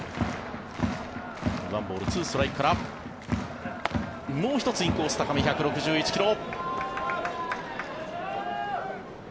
１ボール２ストライクからもう１つ、インコース高め１６１ｋｍ。